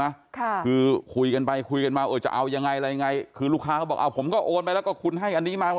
ค่ะคือคุยกันไปคุยกันมาเออจะเอายังไงอะไรยังไงคือลูกค้าเขาบอกอ่าผมก็โอนไปแล้วก็คุณให้อันนี้มา